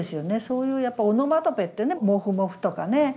そういうやっぱオノマトペってね「もふもふ」とかね